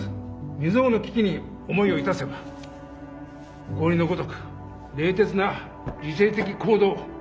未曽有の危機に思いを致せば氷のごとく冷徹な理性的行動